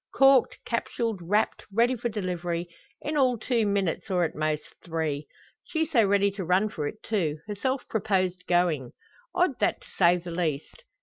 Corked, capsuled, wrapped, ready for delivery in all two minutes, or at most, three! She so ready to run for it, too herself proposed going! Odd, that to say the least.